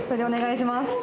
お願いします